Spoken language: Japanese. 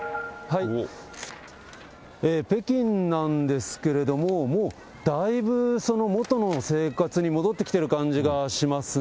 北京なんですけれども、もうだいぶ元の生活に戻ってきてる感じがしますね。